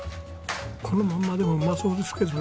このままでもうまそうですけどね。